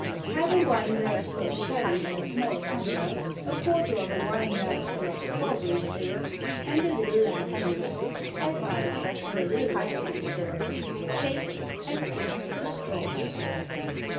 _ Half a wine glassful of sherry in a small tumbler, a quarter of a wine glassful of strawberry syrup, and a little lemon juice. Add ice, and a little raspberry syrup. Shake, and drink through straws.